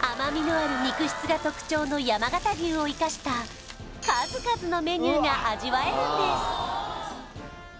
甘みのある肉質が特徴の山形牛を生かした数々のメニューが味わえるんです